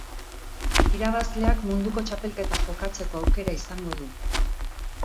Irabazleak munduko txapelketa jokatzeko aukera izango du.